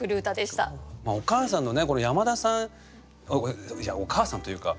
お母さんのねこの山田さんいやお母さんというか。